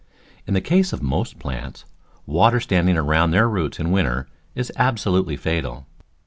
In the case of most plants, water standing around their roots in winter is abso lutely fatal.